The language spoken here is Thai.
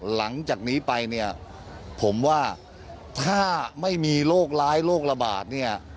หลังจากนี้ไปเนี่ยผมว่าถ้าไม่มีโรคร้ายโรคระบาดเนี่ย